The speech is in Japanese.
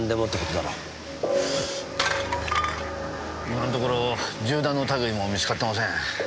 今のところ銃弾の類も見つかってません。